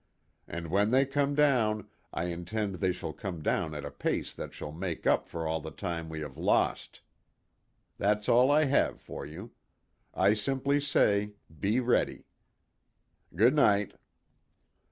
And when they come down I intend they shall come down at a pace that shall make up for all the time we have lost. That's all I have for you. I simply say, be ready. Good night."